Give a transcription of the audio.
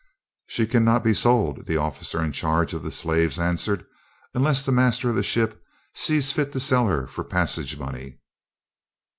"She cannot be sold," the officer in charge of the slaves answered, "unless the master of the ship sees fit to sell her for passage money."